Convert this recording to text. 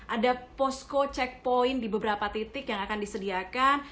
ada posko checkpoint di beberapa titik yang akan disediakan